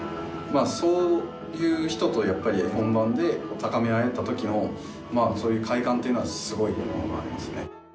そういう人とやっぱり本番で高め合えた時のそういう快感というのはすごいものがありますね。